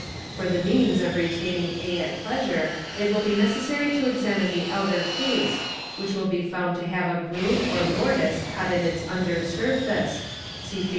For the means of retaining a at pleasure, it will be necessary to examine the outer case, which will be found to have a groove or mortice cut in its under surface (see Fig.